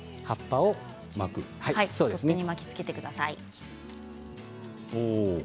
取っ手に巻きつけてください。